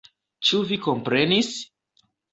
Ĉu vi komprenis?